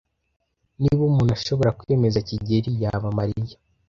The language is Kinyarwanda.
Niba umuntu ashobora kwemeza kigeli, yaba Mariya.